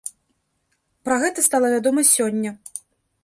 Пра гэта стала вядома сёння.